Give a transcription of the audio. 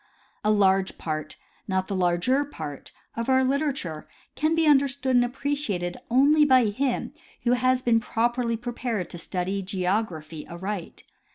A large part, not the larger part, of our literature can be under stood and appreciated only by him who has been jjroperly pre pared to study geography aright.